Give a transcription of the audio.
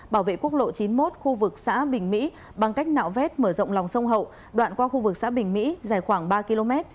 bảo vệ quốc lộ chín mươi một khu vực xã bình mỹ bằng cách nạo vét mở rộng lòng sông hậu đoạn qua khu vực xã bình mỹ dài khoảng ba km